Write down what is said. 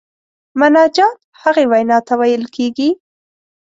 مناجات هغې وینا ته ویل کیږي.